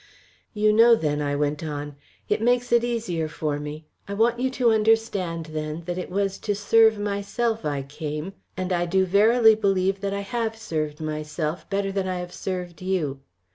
"You know then," I went on. "It makes it easier for me. I want you to understand then that it was to serve myself I came, and I do verily believe that I have served myself better than I have served you.